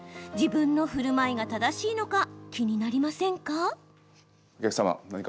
自分のふるまいが正しいのか気になりませんか？